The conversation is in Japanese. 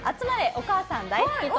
お母さん大好き党。